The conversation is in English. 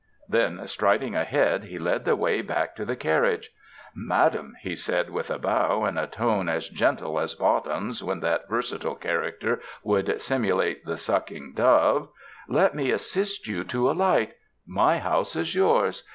Then striding ahead he led the way back to the carriage. "Madam," he said with a bow, and a tone as gentle as Bottom's when that versatile character would simulate the sucking dove, "let me assist you 122 SPRING DAYS IN A CARRIAGE to alight. My house is yours.